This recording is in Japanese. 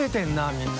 みんな。